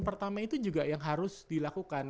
pertama itu juga yang harus dilakukan